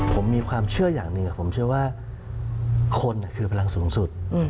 ผมมีความเชื่ออย่างหนึ่งผมเชื่อว่าคนคือพลังสูงสุด